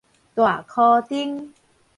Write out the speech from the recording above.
大箍丁